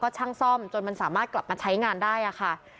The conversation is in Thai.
ช่างซ่อมจนมันสามารถกลับมาใช้งานได้ค่ะ